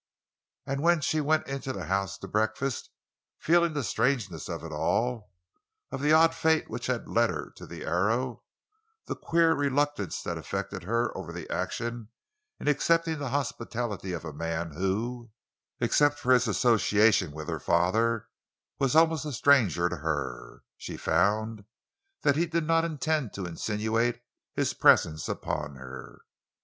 And when she went into the house to breakfast, feeling the strangeness of it all—of the odd fate which had led her to the Arrow; the queer reluctance that affected her over the action in accepting the hospitality of a man who—except for his association with her father—was almost a stranger to her—she found that he did not intend to insinuate his presence upon her.